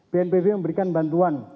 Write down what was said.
dnpb memberikan bantuan